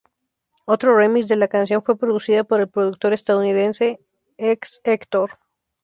Otro remix de la canción fue producida por el productor estadounidense Hex Hector.